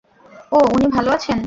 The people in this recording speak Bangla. ও, ওনি ভালো আছেন।